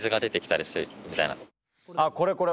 あっこれこれ。